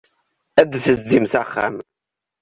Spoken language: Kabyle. Ad d-tezim s axxam.